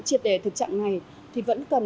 triệt đề thực trạng này thì vẫn cần